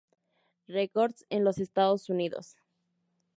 Records en los Estados Unidos.